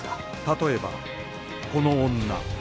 例えばこの女